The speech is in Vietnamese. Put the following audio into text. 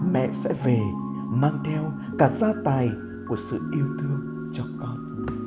mẹ sẽ về mang theo cả gia tài của sự yêu thương cho con